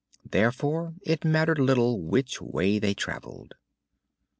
Therefore it mattered little which way they traveled.